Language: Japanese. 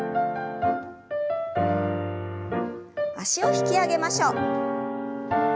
脚を引き上げましょう。